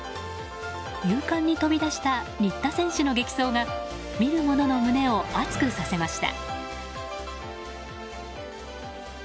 勇敢に飛び出した新田選手の激走が見る者の胸を熱くさせました。